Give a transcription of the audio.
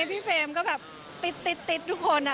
เฟรมก็แบบติดทุกคน